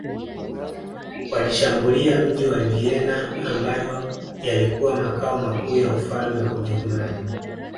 Walishambulia mji wa Vienna ambayo yalikuwa makao makuu ya ufalme wa Ujerumani